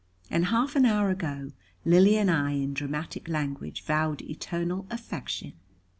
And half an hour ago, Lily and I in dramatic language, vowed eternal affection!